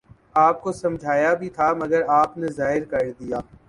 آپ کو سمجھایا بھی تھا مگر آپ نے ظاہر کر دیا۔